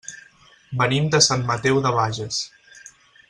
Venim de Sant Mateu de Bages.